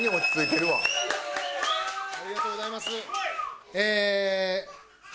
ありがとうございます。